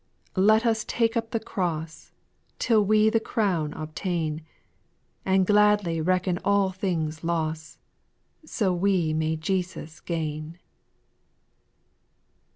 6. Let us take up the cross, Till we the crown obtain ; And gladly reckon all things loss, So we may Jesus gain.